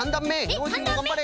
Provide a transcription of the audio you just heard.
ノージーもがんばれ。